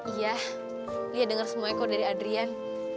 iya lia dengar semua eko dari adrian